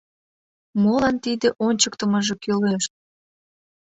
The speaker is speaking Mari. Молан тиде ончыктымыжо кӱлеш?